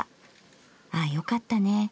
『ああよかったね』